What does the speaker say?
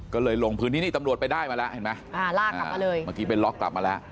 ก็เลยลงพิษนี่นี่ตำรวจไปได้อ่ะเห็นไหมมันล๊อคออกออกมาแล้ว